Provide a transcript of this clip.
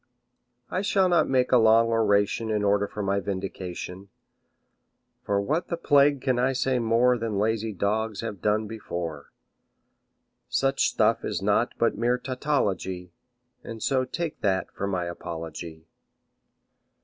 I shall not make a long oration in order for my vindication, For what the plague can I say more Than lazy dogs have done before; Such stuff is naught but mere tautology, And so take that for my apology.